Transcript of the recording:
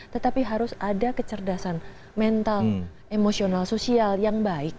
tetapi harus ada kecerdasan mental emosional sosial yang baik